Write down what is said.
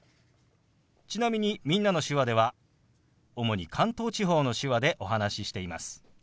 ちなみに「みんなの手話」では主に関東地方の手話でお話ししています。